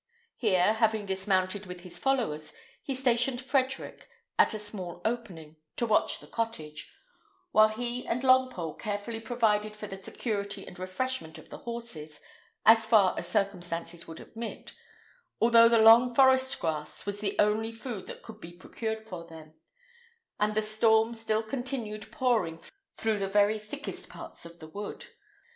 Here, having dismounted with his followers, he stationed Frederick at a small opening, to watch the cottage, while he and Longpole carefully provided for the security and refreshment of their horses, as far as circumstances would admit, although the long forest grass was the only food that could be procured for them, and the storm still continued pouring through the very thickest parts of the wood.